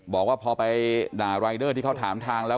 บอกว่าพอไปด่ารายเดอร์ที่เขาถามทางแล้ว